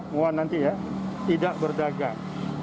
mohon nanti ya tidak berdagang